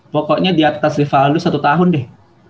pokoknya diatas rivaldo satu tahun deh